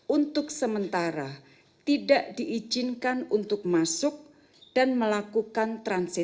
untuk sementara tidak diizinkan untuk masuk dan melakukan transaksi